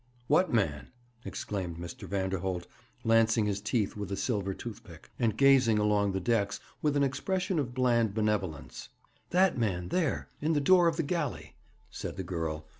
'What man?' exclaimed Mr. Vanderholt, lancing his teeth with a silver toothpick, and gazing along the decks with an expression of bland benevolence. 'That man there, in the door of the galley,' said the girl.